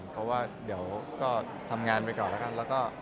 เพราะว่าพูดถูกก็ทำงานไปก่อน